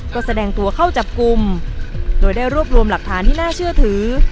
ก็แสดงตัวเข้าจับกลุ่มโดยได้รวบรวมหลักฐานที่น่าเชื่อถือ